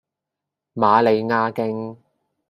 瑪利亞徑